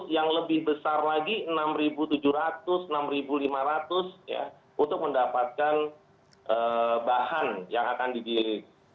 yang lebih besar lagi rp enam tujuh ratus enam lima ratus ya untuk mendapatkan bahan yang akan dibilik